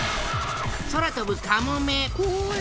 空飛ぶカモメ。